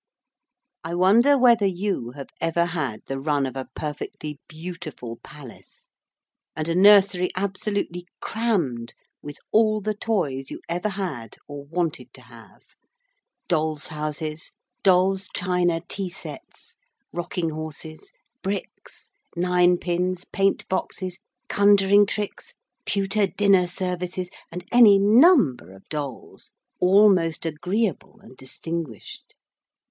I wonder whether you have ever had the run of a perfectly beautiful palace and a nursery absolutely crammed with all the toys you ever had or wanted to have: dolls' houses, dolls' china tea sets, rocking horses, bricks, nine pins, paint boxes, conjuring tricks, pewter dinner services, and any number of dolls all most agreeable and distinguished.